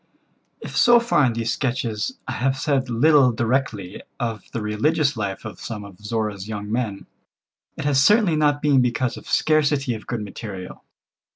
If so far in these sketches I have said little directly of the religious life of some of Zorra's young men, it has certainly not been because of scarcity of good material.